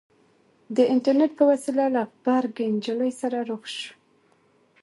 د اينټرنېټ په وسيله له غبرګې نجلۍ سره رخ شو.